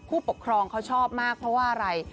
ผู้ปกครองเขาชอบมากเพราะว่าอะไร